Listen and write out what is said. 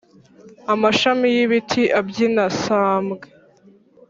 amashami y’ibiti abyina sambwe